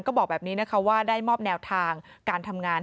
ก็บอกแบบนี้นะคะว่าได้มอบแนวทางการทำงาน